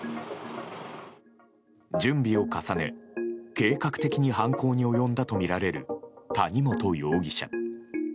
準備を重ね、計画的に犯行に及んだとみられる谷本容疑者。